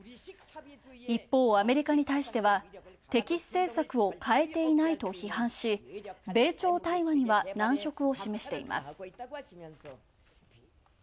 一方、アメリカに対しては敵視政策を変えていないと批判し米朝対話には難色を示しています。